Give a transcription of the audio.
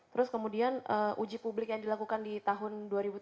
terus kemudian uji publik yang dilakukan di tahun dua ribu tujuh belas